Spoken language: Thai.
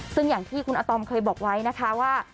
ซึ่งอย่างที่คุณอาตอมเคยบอกไว้นะคะว่า